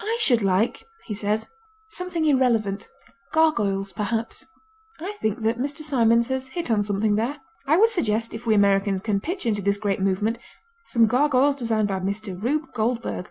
"I should like," he says, "something irrelevant gargoyles, perhaps." I think that Mr. Symonds has hit on something there. I would suggest, if we Americans can pitch into this great movement, some gargoyles designed by Mr. Rube Goldberg.